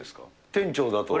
店長だと。